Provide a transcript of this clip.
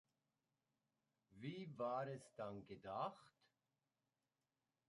Wie war es dann gedacht?